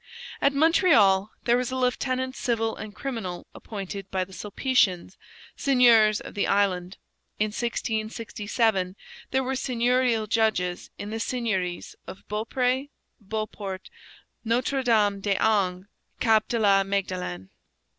At Montreal there was a lieutenant civil and criminal appointed by the Sulpicians, seigneurs of the island. In 1667 there were seigneurial judges in the seigneuries of Beaupre, Beauport, Notre Dame des Anges, Cap de la Magdeleine.